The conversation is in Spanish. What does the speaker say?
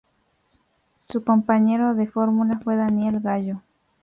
Su compañero de fórmula fue Daniel Gallo.